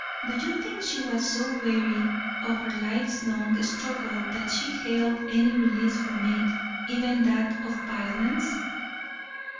Do you think she was so weary of her life's long struggle that she hailed any release from it, even that of violence?"